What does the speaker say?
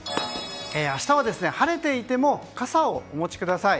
明日は晴れていても傘をお持ちください。